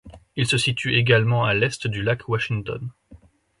Il se situe également à l'est du lac Washington.